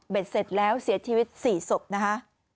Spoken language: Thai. เบ็ดเสร็จแล้วเสียชีวิตสี่ศพนะฮะ